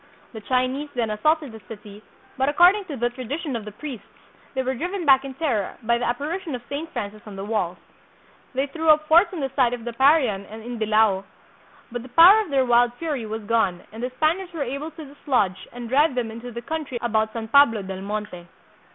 The Chinese then assaulted the city, but, according to the tradition of the priests, they were driven back in terror by the apparition of Saint Francis on the walls. They threw up forts on the site of the Parian and in Dilao, but the power of their wild fury was gone and the Spaniards were able to dislodge and drive them into the country about San Pablo del Monte.